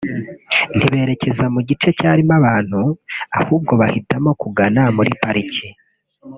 ntiberekeza mu gice cyarimo abantu ahubwo bahitamo kugana muri pariki